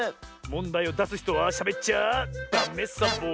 もんだいをだすひとはしゃべっちゃダメサボ。